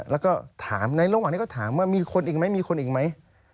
แล้วก็ถามในระหว่างนี้ก็ถามว่ามีคนอีกไหมมีคนอีกไหม